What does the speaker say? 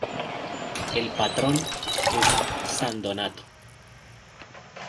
El patrón es San Donato.